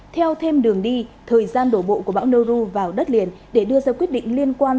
theo thêm đường đi thời gian đổ bộ của bão noru vào đất liền để đưa ra quyết định liên quan